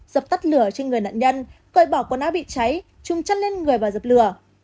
dập tắt lửa trên người nạn nhân cơi bỏ quần áo bị cháy trung chân lên người và dập lửa